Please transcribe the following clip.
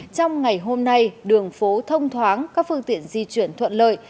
trong ngày hôm nay đường phố thông thoáng các phương tiện di chuyển thuận lợi